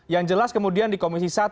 yang jelas kemudian di komisi satu